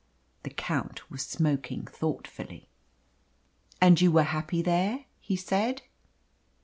The Count was smoking thoughtfully. "And you were happy there?" he said.